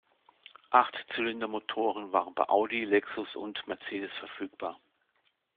Achtzylindermotoren waren bei Audi, Lexus und Mercedes verfügbar.